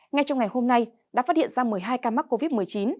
ngay trong ngày hôm nay đã phát hiện ra một mươi hai ca mắc covid một mươi chín